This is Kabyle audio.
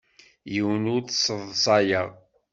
Yiwen ur t-sseḍsayeɣ.